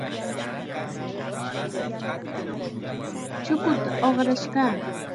Chukuta uqrash kaa.